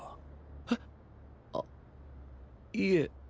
あっいえ。